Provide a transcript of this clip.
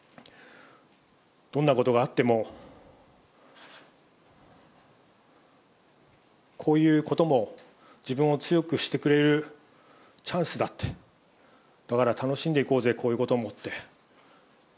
どんなことがあっても、こういうことも、自分を強くしてくれるチャンスだって、だから楽しんでいこうぜ、こういうこともって。